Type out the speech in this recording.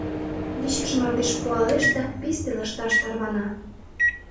Вичкыж мардеж пуалеш да, Писте лышташ тарвана.